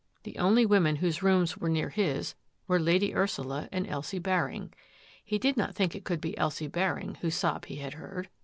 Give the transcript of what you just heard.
The only women rooms were near his were Lady Ursula and Baring. He did not think it could be Elsie I whose sob he had heard.